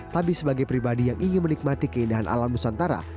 tapi sebagai pribadi yang ingin menikmati keindahan alam nusantara